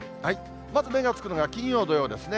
まず目がつくのが、金曜、土曜ですね。